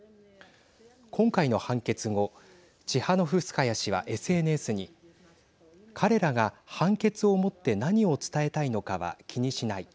今回の判決後チハノフスカヤ氏はＳＮＳに彼らが判決をもって何を伝えたいのかは気にしない。